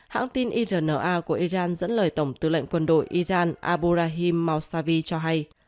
hãng tin irna của iran dẫn lời tổng tư lệnh quân đội iran aburahim mausavi cho hay